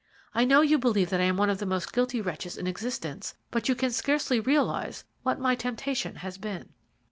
I know you believe that I am one of the most guilty wretches in existence, but you can scarcely realize what my temptation has been."